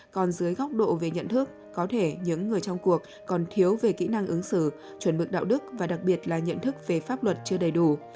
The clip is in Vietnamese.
còn dưới góc độ về nhận thức có thể những người trong cuộc còn thiếu về kỹ năng ứng xử chuẩn mực đạo đức và đặc biệt là nhận thức về pháp luật chưa đầy đủ